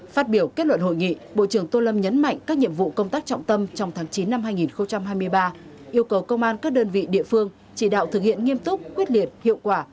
phát biểu kết luận hội nghị bộ trưởng tô lâm nhấn mạnh các nhiệm vụ công tác trọng tâm trong tháng chín năm hai nghìn hai mươi ba yêu cầu công an các đơn vị địa phương chỉ đạo thực hiện nghiêm túc quyết liệt hiệu quả